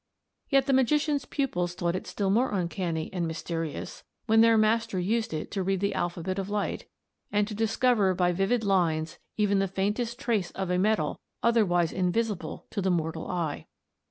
Yet the magician's pupils thought it still more uncanny and mysterious when their master used it to read the alphabet of light, and to discover by vivid lines even the faintest trace of a metal otherwise invisible to mortal eye.